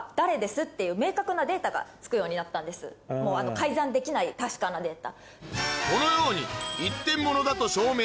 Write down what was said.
改ざんできない確かなデータ。